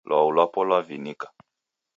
Lwau lwapo lwavinika